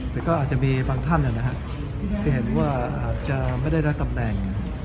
แต่ก็อาจจะมีบางท่านที่เห็นว่าอาจจะไม่ได้รับตำแหน่ง